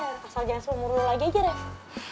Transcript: asal jangan seluruh lo lagi aja reva